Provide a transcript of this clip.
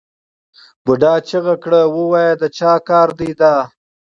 بوډا چیغه کړه ووایه د چا کار دی دا؟